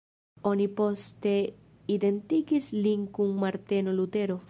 Oni poste identigis lin kun Marteno Lutero.